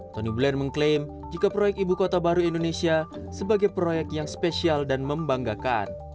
tony blair mengklaim jika proyek ibu kota baru indonesia sebagai proyek yang spesial dan membanggakan